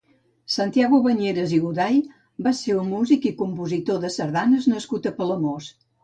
Santiago Bañeras i Goday va ser un músic i compositor de sardanes nascut a Palamós.